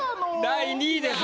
第２位です